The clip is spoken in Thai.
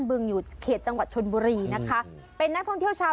อุ๊ยนิ้วหล่อเลยค่ะเป็นย่ะ